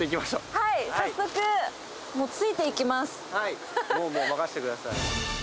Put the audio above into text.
はいもうもう任せてください